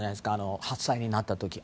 ８歳になった時の。